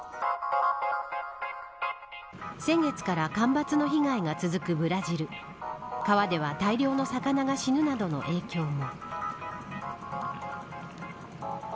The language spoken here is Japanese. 先月から干ばつの被害が続くブラジル川では大量の魚が死ぬなどの影響も。